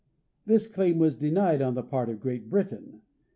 This claim was denied on the part of Great Britain.